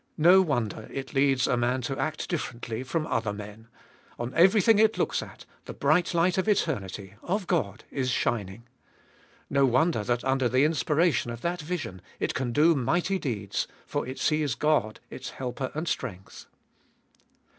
No wonder it leads a man to act differently from other men. On everything it looks at, the bright light of eternity, of God, is shining. No wonder that under the inspira tion of that Vision it can do mighty deeds, for it sees God its helper and strength.